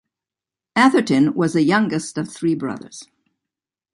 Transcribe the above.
Atherton was the youngest of three brothers.